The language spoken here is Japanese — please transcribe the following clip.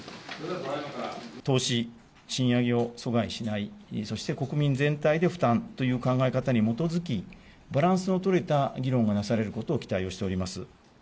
投資、賃上げを阻害しない、そして国民全体で負担という考え方に基づき、バランスの取れた議論がなされることを期待をしております。